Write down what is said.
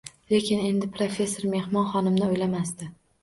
Lekin endi professor mehmon xonimni o`ylamasdi